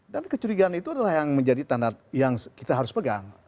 dan kejurigaan itu adalah yang menjadi tanda yang kita harus pegang